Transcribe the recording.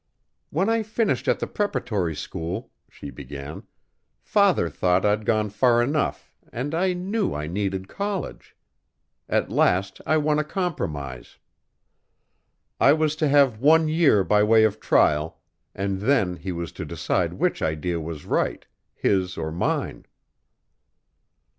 "When I finished at the preparatory school," she began, "father thought I'd gone far enough and I knew I needed college. At last I won a compromise. I was to have one year by way of trial, and then he was to decide which idea was right his or mine."